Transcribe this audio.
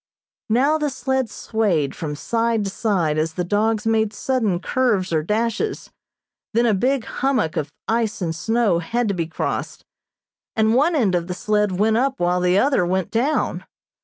Now the sled swayed from side to side as the dogs made sudden curves or dashes, then a big hummock of ice and snow had to be crossed, and one end of the sled went up while the other went down.